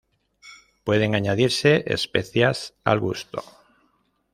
Pueden añadirse especias al gusto.